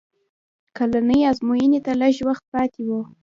کلنۍ ازموینې ته لږ وخت پاتې و